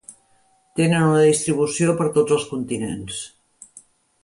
Tenen una distribució per tots els continents.